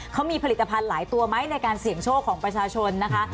เขามีผลิตภัณฑ์หลายตัวไหมในการเสี่ยงโชคของประชาชนนะคะ